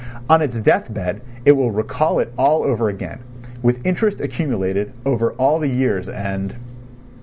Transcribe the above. On its deathbed it will recall it all over again, with interest accumulated over all the years and